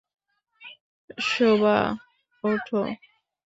শোবা, ওঠ!